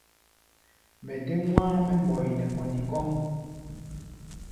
Mɛ dé wá̧á̧ mɛ́ mbɔi nɛ kɔni kɔ́ʼm.